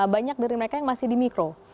banyak dari mereka yang masih di mikro